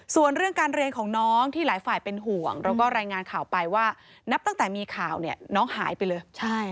ส่วนเรื่องการเรียนของน้องที่หลายฝ่ายเป็นห่วงเราก็รายงานข่าวไปว่านับตั้งแต่มีข่าวเนี่ยน้องหายไปเลย